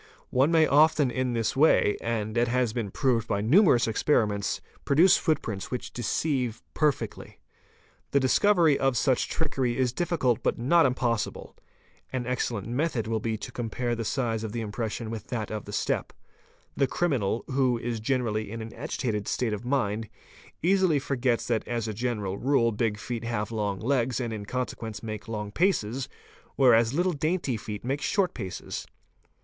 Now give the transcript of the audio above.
One may often in this way, as has been proved 'by numerous experiments, produce footprints which deceive perfectly. 5 ARIF RE Os RNIN AT sl, enfin a6 LB tae dg bli hells STIRS +? The discovery of such trickery is difficult but not impossible. An excellent method will be to compare the size of the impression with that a the step. The criminal, who is generally in an agitated state of mind, asily forgets that as a general rule big feet have long legs and in con ne I A IS 7 sequence make long paces whereas little dainty feet make short paces.